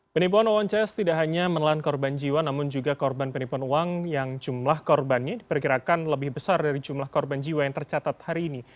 penipuan wawon cs tidak hanya menelan korban jiwa namun juga korban penipuan uang yang jumlah korbannya diperkirakan lebih besar dari jumlah korban jiwa yang tercatat hari ini